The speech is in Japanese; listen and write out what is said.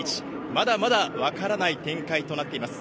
まだまだ分からない展開となっています。